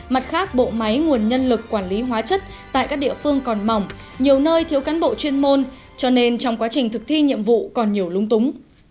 mặt khác bộ máy nguồn nhân lực quản lý hóa chất tại các địa phương còn mỏng nhiều nơi thiếu cán bộ chuyên môn cho nên trong quá trình thực thi nhiệm vụ còn nhiều lung túng